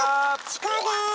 チコです。